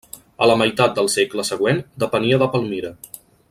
A la meitat del segle següent depenia de Palmira.